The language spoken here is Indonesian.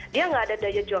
dia nggak ada daya jual